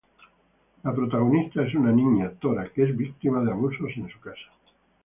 La protagonista es una niña, Tora, que es víctima de abusos en su casa.